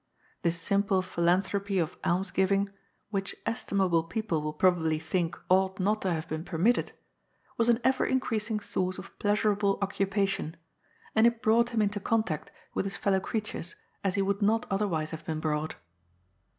This simple phi lanthropy of alms giving, which estimable people will prob ably think ought not to have been permitted, was an ever increasing source of pleasurable occupation, and it brought him into contact with his fellow creatures as he would not otherwise have been brought.